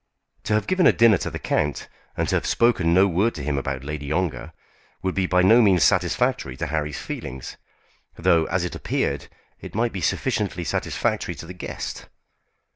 To have given a dinner to the count, and to have spoken no word to him about Lady Ongar, would be by no means satisfactory to Harry's feelings, though, as it appeared, it might be sufficiently satisfactory to the guest.